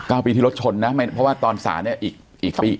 เก้าปีที่รถชนนะไม่เพราะว่าตอนสารเนี้ยอีกอีกปี